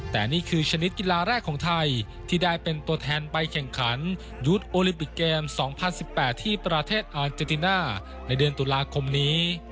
แต่นี่คือชนิดกีฬาแรกของไทยที่ได้เป็นตัวแทนไปแข่งขันยุทธ์โอลิมปิกเกม๒๐๑๘ที่ประเทศอาร์เจติน่าในเดือนตุลาคมนี้